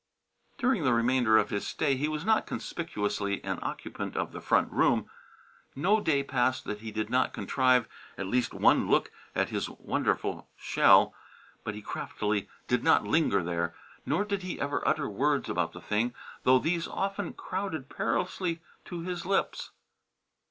During the remainder of his stay he was not conspicuously an occupant of the front room. No day passed that he did not contrive at least one look at his wonderful shell, but he craftily did not linger there, nor did he ever utter words about the thing, though these often crowded perilously to his lips.